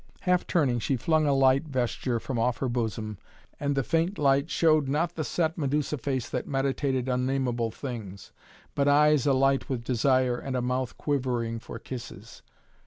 Half turning she flung a light vesture from off her bosom and the faint light showed not the set Medusa face that meditated unnameable things, but eyes alight with desire and a mouth quivering for kisses.